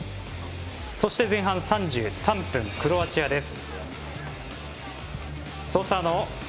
そして、前半３３分クロアチアです。